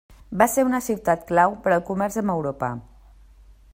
Va ser una ciutat clau per al comerç amb Europa.